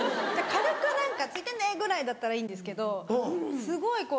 軽く何か「付いてんで」ぐらいだったらいいんですけどすごい